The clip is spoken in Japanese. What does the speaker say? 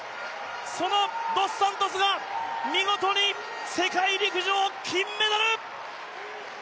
そのドス・サントスが見事に世界陸上、金メダル！